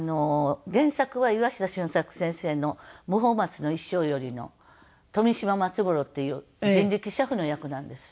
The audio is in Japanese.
原作は岩下俊作先生の『無法松の一生』よりの富島松五郎っていう人力車夫の役なんです。